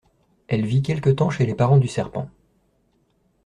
Elle vit quelque temps chez les parents du serpent.